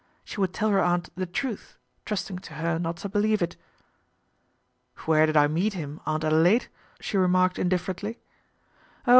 She would tell her aunt the truth, trusting to her not to believe it. " Where did I meet him, Aunt Adelaide ?" she remarked indifferently. " Oh